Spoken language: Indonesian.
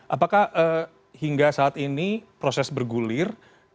apakah hingga saat ini proses bergulir